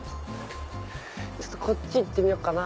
こっち行ってみようかな。